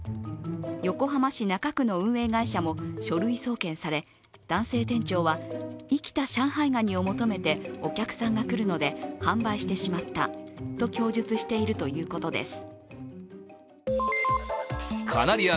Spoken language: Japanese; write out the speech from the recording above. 横浜市中区の運営会社も書類送検され男性店長は生きた上海ガニを求めてお客さんが来るので販売してしまったと供述しているということです。